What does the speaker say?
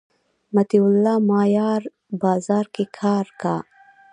مطیع الله مایار بازار کی کار کا